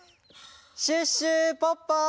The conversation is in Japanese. シュッシュポッポ！